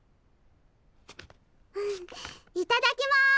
んいただきます！